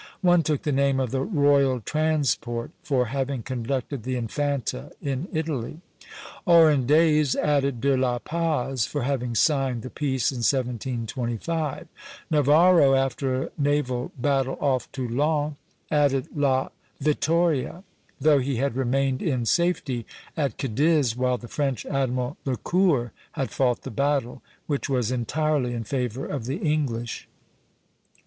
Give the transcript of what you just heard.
One took the name of the Royal Transport, for having conducted the Infanta in Italy. Orendayes added de la Paz, for having signed the peace in 1725. Navarro, after a naval battle off Toulon, added la Vittoria, though he had remained in safety at Cadiz while the French admiral Le Court had fought the battle, which was entirely in favour of the English.